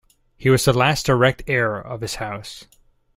He was the last direct heir of his house.